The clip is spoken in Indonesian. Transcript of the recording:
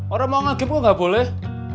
orang mau nge game kok gak boleh